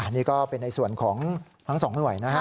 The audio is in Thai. นี่ก็เป็นในส่วนของทั้งสองหน่วยนะฮะ